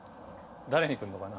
誰にくるのかな？